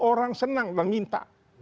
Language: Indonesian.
orang senang dan minta